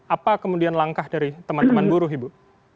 apa kemudian langkah dari teman teman buruh ibu